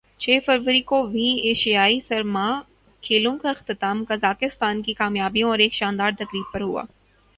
چھ فروری کو ویں ایشیائی سرما کھیلوں کا اختتام قازقستان کی کامیابیوں اور ایک شاندار تقریب پر ہوا